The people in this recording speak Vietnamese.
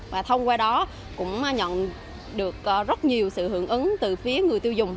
và thông qua đó cũng nhận được rất nhiều sự hưởng ứng từ phía người tiêu dùng